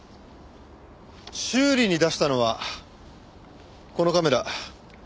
修理に出したのはこのカメラ。